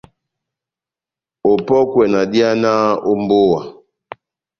Opɔ́kwɛ na dihanaha ó mbówa.